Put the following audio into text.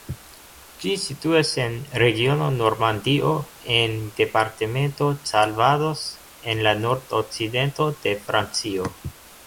Ĝi situas en regiono Normandio en departemento Calvados en la nord-okcidento de Francio.